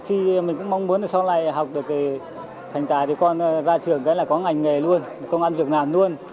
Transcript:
khi mình cũng mong muốn sau này học được thành tài thì con ra trường cái là có ngành nghề luôn công an việc làm luôn